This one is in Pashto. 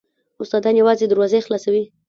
استادان یوازې دروازې خلاصوي .